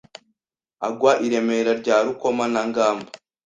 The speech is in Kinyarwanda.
agwa i Remera rya Rukoma na Ngamba.